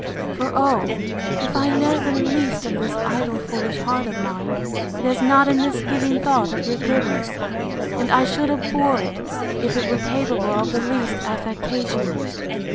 For, oh! if I know the least of this idle foolish heart of mine, it has not a misgiving thought of your goodness; and I should abhor it, if it were capable of the least affectation.